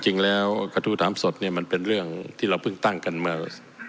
กรรมนตรีช่วยว่าการกระทรวงการคลังกรรมนตรีช่วยว่าการกระทรวงการคลัง